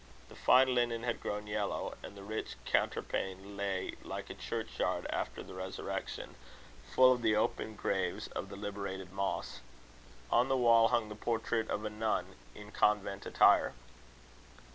The fine linen had grown yellow; and the rich counterpane lay like a churchyard after the resurrection, full of the open graves of the liberated moths. On the wall hung the portrait of a nun in convent attire.